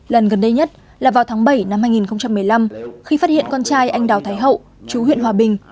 lần gần đây nhất là vào tháng bảy năm hai nghìn một mươi năm khi phát hiện con trai anh đào thái hậu chú huyện hòa bình